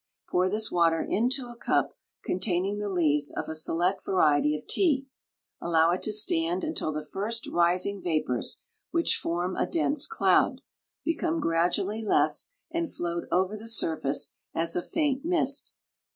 Pour this water into a cup containing the leaves of a select variety of tea; allow it to stand until the first rising vapors, which form a dense cloud, become gradually less and float over the surface as a faint mist.